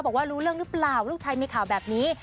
บอกว่ารู้เรื่องหรือเปล่าลูกชายมีข่าวแบบนี้